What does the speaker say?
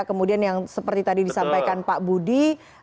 kemudian yang seperti tadi disampaikan pak budi